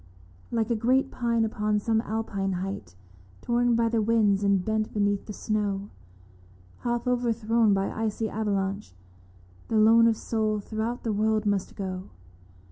54 THE LONE OF SOUL 5 5 Like a great pine upon some Alpine height, Torn by the winds and bent beneath the snow, Half overthrown by icy avalanche. The lone of soul throughout the world must go.